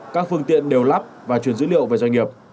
các phương tiện đều lắp và truyền dữ liệu về doanh nghiệp